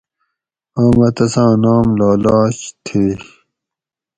آمہ تساں نام لالاچ تھیئ